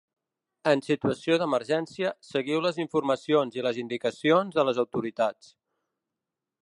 En situació d’emergència seguiu les informacions i les indicacions de les autoritats.